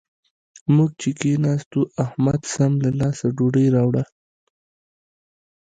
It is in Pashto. موږ چې کېناستو؛ احمد سم له لاسه ډوډۍ راوړه.